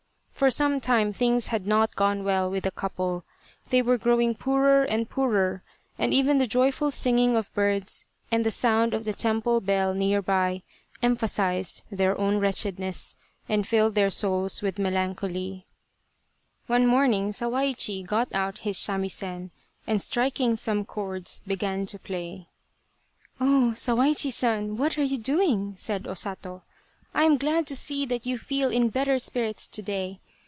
For some time things had not gone well with the couple ; they were growing poorer and poorer, and even the joyful singing of birds, and the sound of the temple * The Japanese harp. | The Japanese banjo. Tsubosaka bell, near by, emphazised their own wretchedness, and filled their souls with melancholy. One morning Sawaichi got out his samisen, and striking some chords, began to play. " Oh, Sawaichi San, what are you doing ?'' said O Sato, " I am glad to see that you feel in better spirits to day.